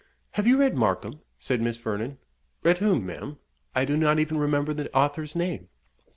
Have you read Markham?" said Miss Vernon. "Read whom, ma'am? I do not even remember the author's name."